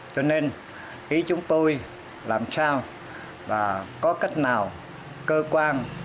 cho nên ý chúng tôi làm sao và có cách nào cơ quan